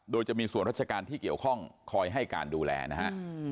โดยจะมีส่วนราชการที่เกี่ยวข้องคอยให้การดูแลนะฮะ